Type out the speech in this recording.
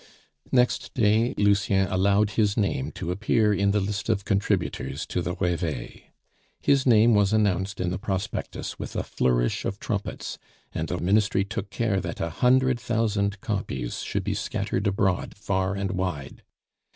Next day Lucien allowed his name to appear in the list of contributors to the Reveil. His name was announced in the prospectus with a flourish of trumpets, and the Ministry took care that a hundred thousand copies should be scattered abroad far and wide.